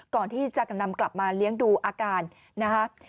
ก่อนที่จะนำกลับมาเลี้ยงดูอาการนะครับ